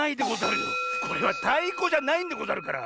これはたいこじゃないんでござるから。